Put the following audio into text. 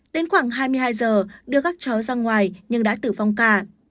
đến khoảng hai mươi hai giờ đưa các cháu ra ngoài nhưng đã tử vong cả